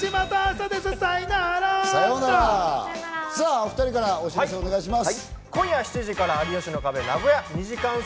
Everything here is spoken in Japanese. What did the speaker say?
お２人からお知らせ、お願いします。